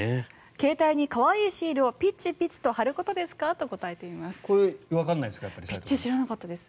携帯に可愛いシールをピッチピッチと貼ることですかとこれ、わからないですか？